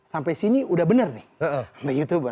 sampai sini udah bener nih